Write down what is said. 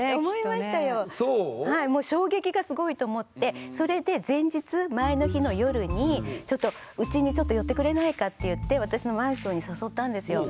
はいもう衝撃がすごいと思ってそれで前日前の日の夜にちょっとうちにちょっと寄ってくれないかって言って私のマンションに誘ったんですよ。